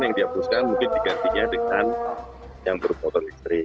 yang dihapuskan mungkin digantinya dengan yang berpotong listrik